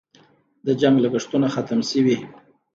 د جنګ لګښتونه ختم شوي؟